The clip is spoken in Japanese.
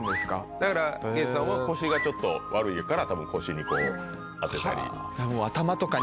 だからゲイツさんは腰がちょっと悪いから多分腰にこう当てたり。